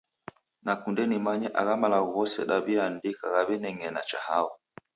Nakunde nimanye agha malagho ghose daw'iaandika ghaw'ineng'ena cha hao?